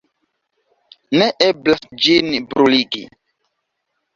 Ne eblas ĝin bruligi.